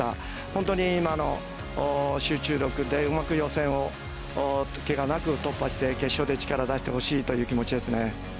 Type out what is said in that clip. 本当に集中力で、うまく予選をけがなく突破して決勝で力を出してほしいという気持ちですね。